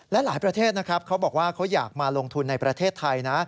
และหลายประเทศนะครับเขาบอกว่าเขาอยากมาลงทุนในประเทศไทยนะ